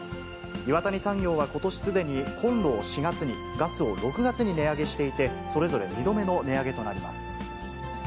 岩谷産業はことしすでにコンロを４月に、ガスを６月に値上げしていて、それぞれ２度目の値上げとなります。